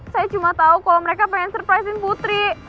saya cuma tahu kalau mereka pengen surprisein putri